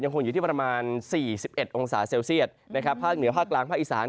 คงอยู่ที่ประมาณ๔๑องศาเซลเซียตนะครับภาคเหนือภาคกลางภาคอีสาน